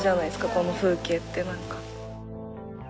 この風景ってなんか。